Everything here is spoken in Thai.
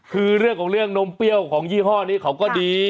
คือเรื่องของเรื่องนมเปรี้ยวของยี่ห้อนี้เขาก็ดี